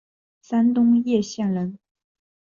山东掖县人。